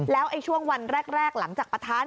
แล้วช่วงวันแรกหลังจากปะทะ